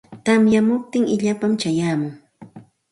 Tamyamuptin illapam chayamun.